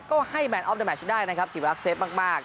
ก็ให้แมนออฟด้าแมชได้นะครับสีวรักษ์เซฟมากมาก